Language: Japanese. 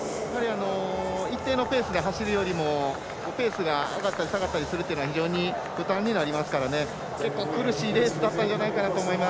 一定のペースで走るよりもペースが上がったり下がったりするのは非常に負担になりますから結構、苦しいレースだったんじゃないかなと思います。